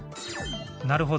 なるほど。